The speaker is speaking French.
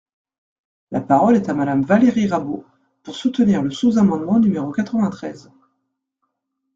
La parole est à Madame Valérie Rabault, pour soutenir le sous-amendement numéro quatre-vingt-treize.